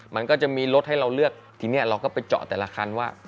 มันก็จะมีรถให้เราเลือกทีนี้เราก็ไปเจาะแต่ละคันว่า